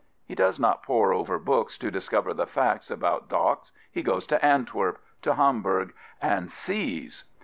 He does not pore over books to discover the facts about docks: he goes to Antwerp, to Hamburg, and sees.